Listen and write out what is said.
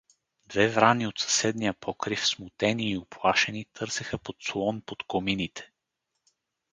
Две врани от съседния покрив, смутени и уплашени, търсеха подслон под комините.